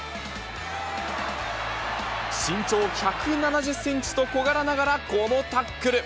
身長１７０センチと小柄ながら、このタックル。